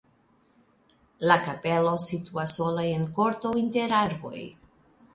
La kapelo situas sola en korto inter arboj.